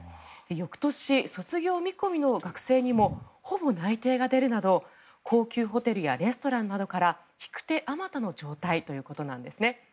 翌年卒業見込みの学生にもほぼ内定が出るなど高級ホテルやレストランなどから引く手あまたの状態ということなんです。